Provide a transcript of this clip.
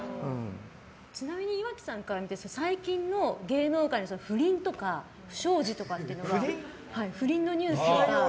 ちなみに、岩城さんから見て最近の芸能界の不倫とか不祥事とかのニュースって。